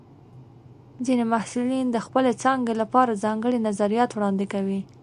ځینې محصلین د خپلې څانګې لپاره ځانګړي نظریات وړاندې کوي.